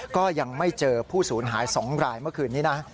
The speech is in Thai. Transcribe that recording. ก็ยังไม่เจอผู้สูญหาย๒รายเมื่อคืนนี้นะ